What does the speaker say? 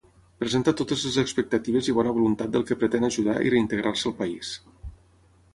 Presenta totes les expectatives i bona voluntat del que pretén ajudar i reintegrar-se al país.